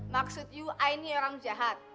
maksud kamu saya ini orang jahat